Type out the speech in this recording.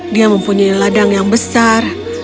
dia mempunyai ladang yang besar